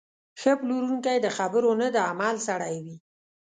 ښه پلورونکی د خبرو نه، د عمل سړی وي.